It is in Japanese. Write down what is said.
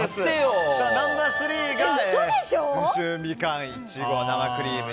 ナンバー３が温州みかん苺生クリーム。